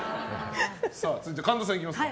続いて神田さん、いきますか。